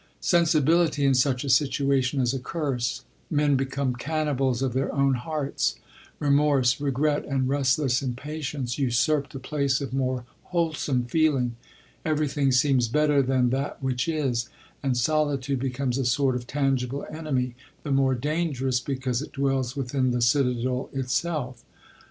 Sensibility in such a situation is a curse : men become " cannibals of their own hearts ; v remorse, regret, and restless impatience usurp the place of more wholesome feeling : every thing seems better than that which is ; and solitude becomes a sort of tangible enemy, the more dangerous, because it dwells within the citadel itself.